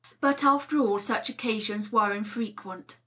But, ailer all, such occasions were infrequent.